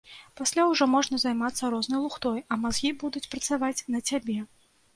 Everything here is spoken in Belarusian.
Пасля ўжо можна займацца рознай лухтой, а мазгі будуць працаваць на цябе.